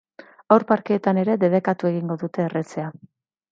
Haur parkeetan ere debekatu egingo dute erretzea.